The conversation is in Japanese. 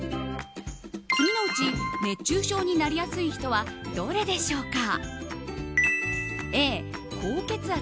次のうち熱中症になりやすい人はどれでしょうか？